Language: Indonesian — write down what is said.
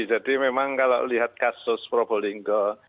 jadi memang kalau lihat kasus probolinggo